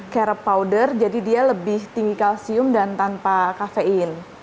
carep powder jadi dia lebih tinggi kalsium dan tanpa kafein